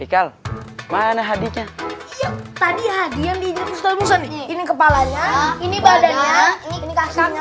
ikal mana hadinya tadi hadiah ini kepalanya ini badannya ini